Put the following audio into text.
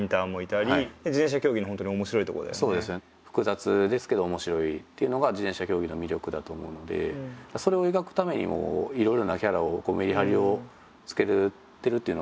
複雑ですけど面白いっていうのが自転車競技の魅力だと思うのでそれを描くためにもいろいろなキャラをこうめりはりをつけてるっていうのは。